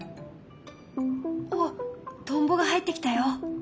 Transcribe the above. わっトンボが入ってきたよ。